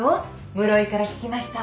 室井から聞きました。